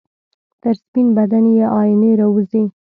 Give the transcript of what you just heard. تر سپین بدن یې آئینې راوځي